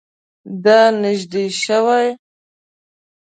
دا نژدې شوی؟